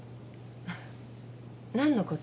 何のこと？